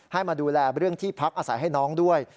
ให้มาดูแลเรื่องที่พักอาศัยให้น้องด้วย